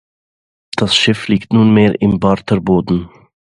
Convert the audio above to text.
Das Schiff liegt nunmehr im Barther Bodden.